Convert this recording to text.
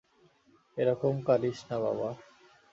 এ রকম কারিস না বাবা।